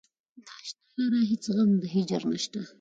نا اشنا لره هیڅ غم د هجر نشته.